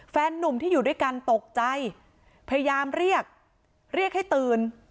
นุ่มที่อยู่ด้วยกันตกใจพยายามเรียกเรียกให้ตื่น